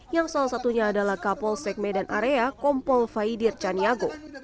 yang salah satunya adalah kapolsek medan area kompol faidir caniago